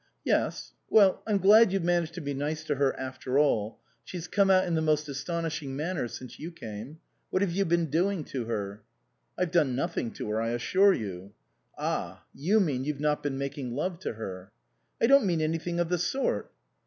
" Yes. Well, I'm glad you've managed to be nice to her, after all. She's come out in the most astonishing manner since you came. What have you been doing to her ?"" I've done nothing to her, I assure you." " Ah, you mean you've not been making love to her." " I don't mean anything of the sort."